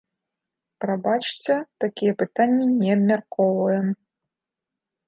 Прабачце, такія пытанні не абмяркоўваем.